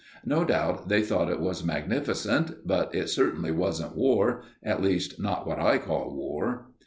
No doubt they thought it was magnificent, but it certainly wasn't war at least, not what I call war.